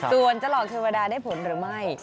ส่วนจะหลอกเทวดาได้ผลหรือไม่